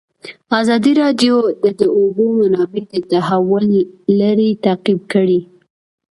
ازادي راډیو د د اوبو منابع د تحول لړۍ تعقیب کړې.